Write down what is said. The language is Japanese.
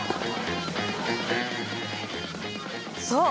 そう！